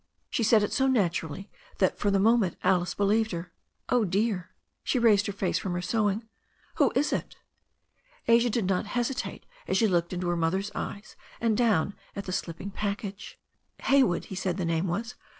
She said it so naturally that for the moment Alice be lieved her. "Oh, dear" — she raised her face from her sewing — "who is it?" Asia did not hesitate as she looked into her mother's eyes and down at a slipping package. "Haywood; he said the name was.